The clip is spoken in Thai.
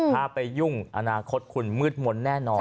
ถ้าไปยุ่งอนาคตคุณมืดมนต์แน่นอน